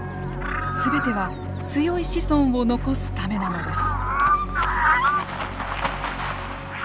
全ては強い子孫を残すためなのです。